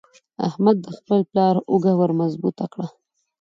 احمد د خپل پلار اوږه ور مضبوطه کړه.